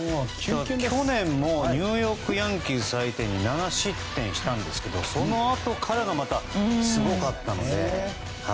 去年もニューヨーク・ヤンキース相手に７失点したんですけどそのあとからがまたすごかったので。